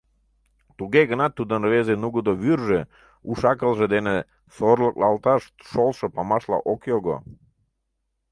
Туге гынат тудын рвезе нугыдо вӱржӧ уш-акылже дене сорлыклалташ шолшо памашла ок його.